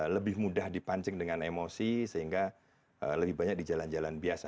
lebih mudah dipancing dengan emosi sehingga lebih banyak di jalan jalan biasa